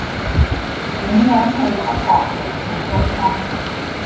點樣去北角和富中心